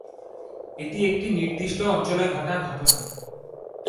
এটি একটি নির্দিষ্ট অঞ্চলে ঘটা ঘটনা।